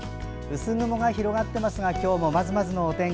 薄雲が広がっていますが今日もまずまずのお天気。